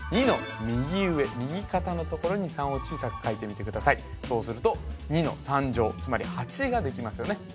２の右上右肩のところに３を小さく書いてみてくださいそうすると２の３乗つまり８ができますよね